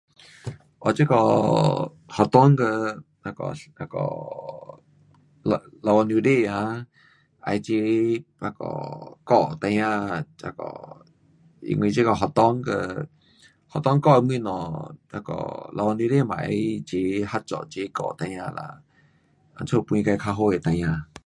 um 这个学堂跟那个那个老，老父母亲啊，要齐那个教孩儿，那个，因为这个学堂跟，学堂教的东西那个老父母亲也要齐合作，齐教孩儿啦，怎样培自较好的孩儿。